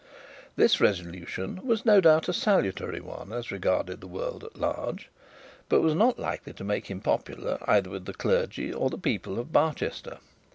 This resolution was no doubt a salutary one as regarded the world at large, but was not likely to make him popular either with the clergy or the people of Barchester.